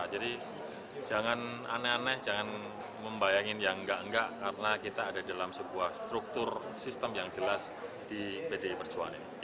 jadi jangan aneh aneh jangan membayangin yang enggak enggak karena kita ada dalam sebuah struktur sistem yang jelas di pdi perjuangan ini